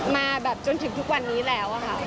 มาแบบจนถึงทุกวันนี้แล้วค่ะ